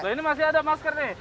ini masih ada masker nih